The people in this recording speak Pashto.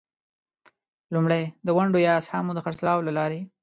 لومړی: د ونډو یا اسهامو د خرڅلاو له لارې.